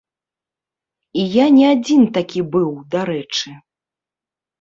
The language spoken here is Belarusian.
І я не адзін такі быў, дарэчы.